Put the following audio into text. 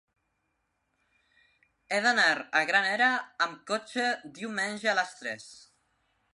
He d'anar a Granera amb cotxe diumenge a les tres.